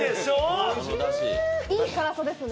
いい辛さですね。